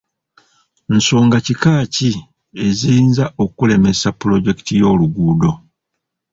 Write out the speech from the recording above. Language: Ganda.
Nsonga kika ki eziyinza okulemesa puloojekiti y'oluguudo?